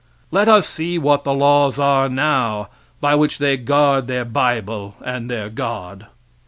Let us see what the laws are now, by which they guard their bible and their God.